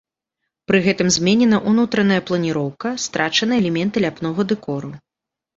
Пры гэтым зменена ўнутраная планіроўка, страчаны элементы ляпнога дэкору.